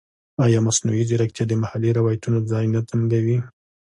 ایا مصنوعي ځیرکتیا د محلي روایتونو ځای نه تنګوي؟